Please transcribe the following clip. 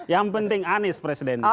yang penting anis presidennya